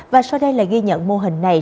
và sau đây là ghi nhận mô hình này